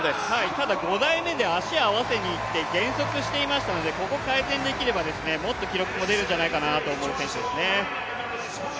ただ、５台目で足を合わせに行って減速していましたのでここ改善できればもっと記録も出ると思われる選手ですね。